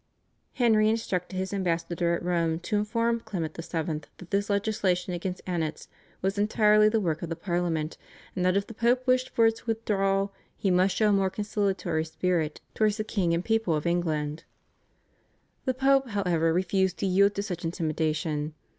Henry instructed his ambassador at Rome to inform Clement VII. that this legislation against Annats was entirely the work of the Parliament, and that if the Pope wished for its withdrawal he must show a more conciliatory spirit towards the king and people of England. The Pope, however, refused to yield to such intimidation.